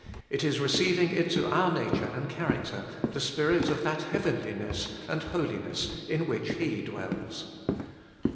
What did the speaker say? It is receiving into our nature and character the spirit of that heavenliness and holiness in which He dwells.